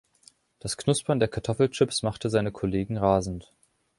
Das Knuspern der Kartoffelchips machte seine Kollegen rasend.